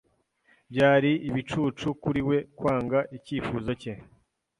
Byari ibicucu kuri we kwanga icyifuzo cye.